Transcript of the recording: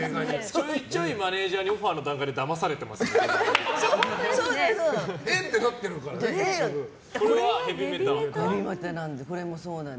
ちょいちょいマネジャーにオファーの段階でそうなの、そうなの。